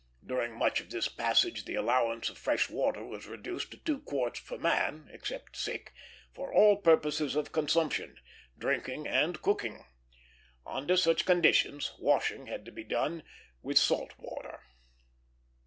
During much of this passage the allowance of fresh water was reduced to two quarts per man, except sick, for all purposes of consumption drinking and cooking. Under such conditions, washing had to be done with salt water.